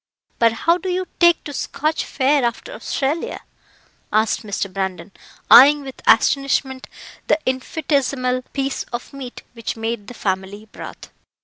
But how do you take to Scotch fare after Australia?" asked Mr. Brandon, eyeing with astonishment the infinitesimal piece of meat which made the family broth.